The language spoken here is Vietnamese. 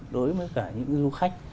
đối với cả những du khách